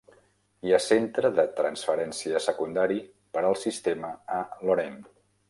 Hi ha centre de transferència secundari per al sistema a Lorain.